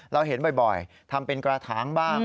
เราเห็นบ่อยทำเป็นกระถางบ้าง